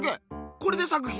これで作品？